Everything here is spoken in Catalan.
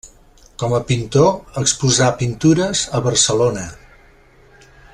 Com a pintor exposà pintures a Barcelona.